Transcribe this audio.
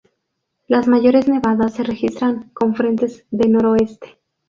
Las mayores nevadas se registran con frentes de Noroeste.